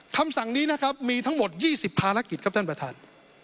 คำสั่งนี้นะครับมีทั้งหมด๒๐ภารกิจครับท่านประธาน